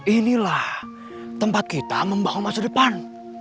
inilah tempat kita membangun masa depan